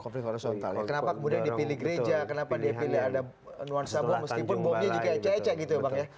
konflik horizontal kenapa kemudian dipilih gereja kenapa dipilih ada nuansa bom meskipun bomnya juga ecak ecak gitu ya pak ya